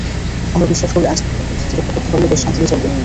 আমরা বিশ্বাস করি, আইনশৃঙ্খলা পরিস্থিতি রক্ষা করতে পারলে দেশ শান্তিতে চলবে।